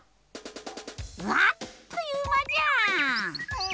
あっというまじゃーん！